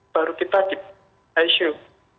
baru kita di isu